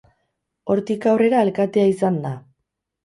Hortik aurrera alkatea izan da.